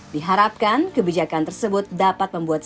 diharapkan kebijakan tersebut dapat membuat